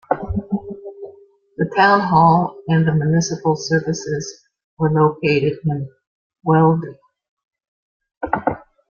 The town hall and the municipal services are located in Weelde.